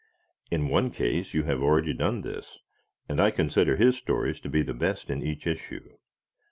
In one case you have already done this, and I consider his stories to be the best in each issue.